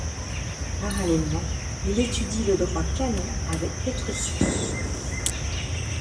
Parallèlement il étudie le droit canon avec Petrucius.